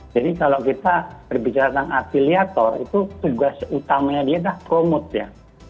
jadi kalau kita berbicara tentang afiliator itu tugas utamanya dia adalah promote ya